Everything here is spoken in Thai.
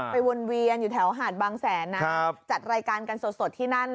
วนเวียนอยู่แถวหาดบางแสนนะจัดรายการกันสดที่นั่น